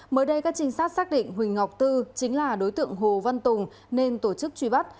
mới đây các trinh sát xác định huỳnh ngọc tư chính là đối tượng hồ văn tùng nên tổ chức truy bắt